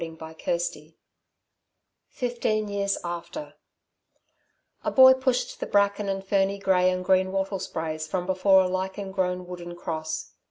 CHAPTER XLVIII Fifteen Years After A boy pushed the bracken and ferny grey and green wattle sprays from before a lichen grown wooden cross.